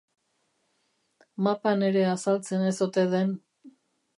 Mapan ere azaltzen ez ote den...